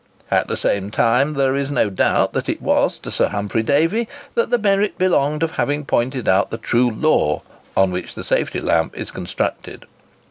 At the same time, there is no doubt that it was to Sir Humphry Davy that the merit belonged of having pointed out the true law on which the safety lamp is constructed.